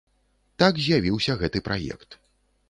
Так з'явіўся гэты праект.